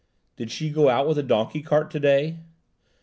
"Did she go out with the donkey cart to day?"